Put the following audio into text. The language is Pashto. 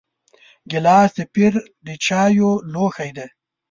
ګیلاس د پیر د چایو لوښی دی.